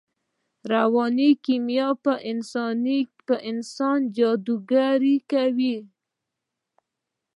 رواني کیمیا په انسان کې جادوګري کوي